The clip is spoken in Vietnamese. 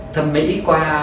thầm mỹ qua